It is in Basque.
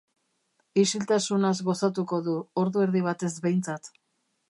Isiltasunaz gozatuko du, ordu erdi batez behintzat.